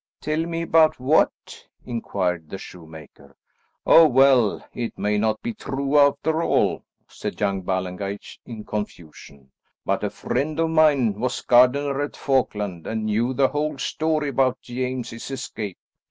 "Tell me about what?" inquired the shoemaker. "Oh well, it may not be true after all," said young Ballengeich in confusion, "but a friend of mine was gardener at Falkland and knew the whole story about James's escape.